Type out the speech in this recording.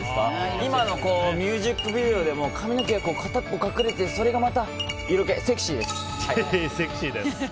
今のミュージックビデオでも髪の毛でかたっぽ隠れてそれがまた色気、セクシーです！